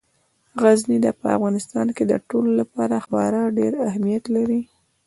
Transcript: غزني په افغانستان کې د ټولو لپاره خورا ډېر اهمیت لري.